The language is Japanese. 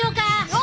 お！